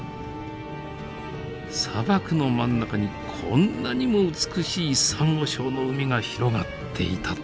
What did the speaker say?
砂漠の真ん中にこんなにも美しいサンゴ礁の海が広がっていたとは！